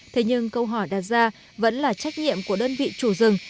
thế nhưng câu hỏi đặt ra vẫn là trách nhiệm của đơn vị chủ rừng